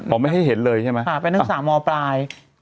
บอกไม่ให้เห็นเลยใช่ไหมครับตรงสามมปลาย